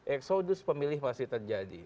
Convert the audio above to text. eksodus pemilih masih terjadi